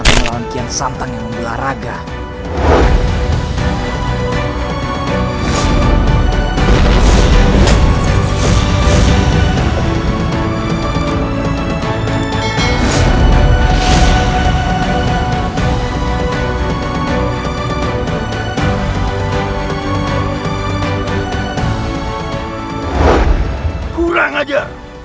terpaksa aku melakukannya